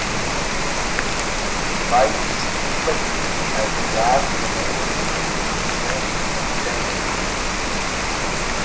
Lights flickered as the last remaining fuel drained from the generator.